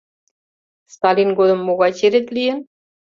Сталин годым могай черет лийын?